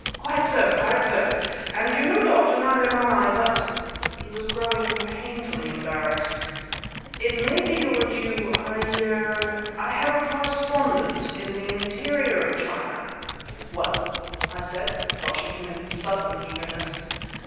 "Quite so quite so! And, you know, Doctor, neither am I; but" he was growing painfully embarrassed "it may be your due I er I have a correspondent, in the interior of China " "Well?" I said, watching him in sudden eagerness.